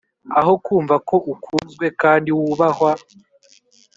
aho kumva ko ukunzwe kandi wubahwa.